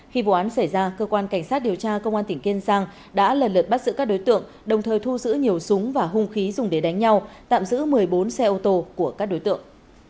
khi vụ án xảy ra cơ quan cảnh sát điều tra công an tỉnh kiên giang đã lần lượt bắt giữ các đối tượng đồng thời thu giữ nhiều súng và hung khí dùng để đánh nhau tạm giữ một mươi bốn xe ô tô của các đối tượng